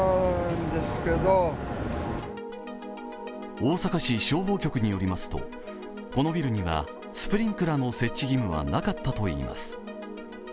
大阪市消防局によりますとこのビルにはスプリンクラーの設置義務はなかったといいます。